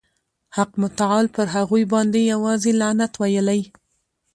حق متعال پر هغوی باندي یوازي لعنت ویلی.